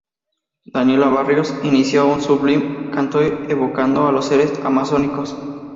Daniela Barrios inició un sublime canto evocando a los seres amazónicos.